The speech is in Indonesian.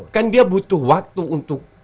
kan dia butuh waktu untuk